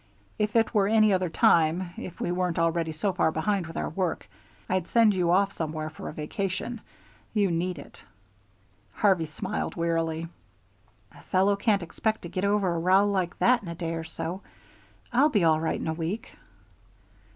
If it were any other time, if we weren't already so far behind with our work, I'd send you off somewhere for a vacation. You need it." Harvey smiled wearily. "A fellow can't expect to get over a row like that in a day or so. I'll be all right in a week."